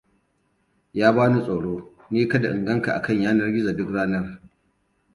Ya bani tsoro ni kada in gan ka akan zanar gizo duk ranar.